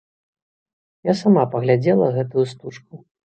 Я сама паглядзела гэтую стужку.